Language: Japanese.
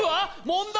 問題